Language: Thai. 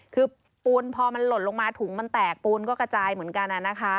คือปูนพอมันหล่นลงมาถุงมันแตกปูนก็กระจายเหมือนกันนะคะ